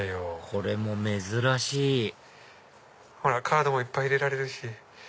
これも珍しいカードもいっぱい入れられるし。